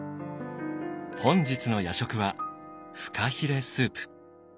本日の夜食はフカヒレスープ。